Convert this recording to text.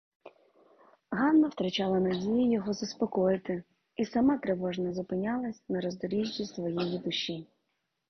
Ганна втрачала надію його заспокоїти й сама тривожно зупинялась на роздоріжжі своєї душі.